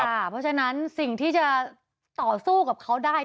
เพราะฉะนั้นสิ่งที่จะต่อสู้กับเขาได้